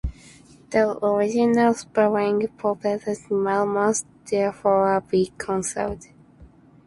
The original spelling, "popeiorum", must therefore be conserved.